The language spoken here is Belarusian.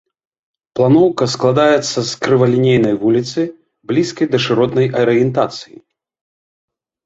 Планоўка складаецца з крывалінейнай вуліцы, блізкай да шыротнай арыентацыі.